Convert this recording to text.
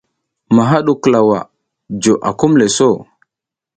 Maha ɗu klawa jo akumle so.